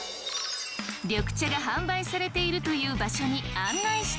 緑茶が販売されているという場所にそうなんです！